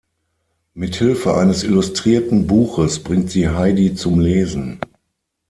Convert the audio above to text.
Mit Hilfe eines illustrierten Buches bringt sie Heidi zum Lesen.